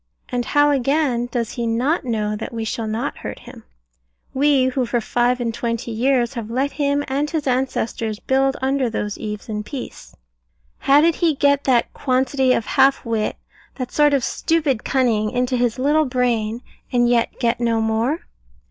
and how again does he not know that we shall not hurt him? we, who for five and twenty years have let him and his ancestors build under those eaves in peace? How did he get that quantity of half wit, that sort of stupid cunning, into his little brain, and yet get no more?